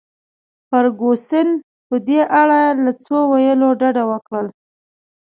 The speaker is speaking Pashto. فرګوسن په دې اړه له څه ویلو ډډه وکړل.